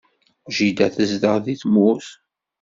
Jida tezdeɣ deg tmurt.